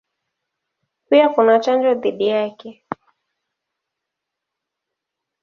Pia kuna chanjo dhidi yake.